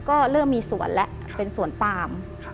ก็เริ่มมีสวนแล้วเป็นสวนปาม